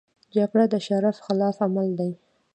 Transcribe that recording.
جګړه د شرف خلاف عمل دی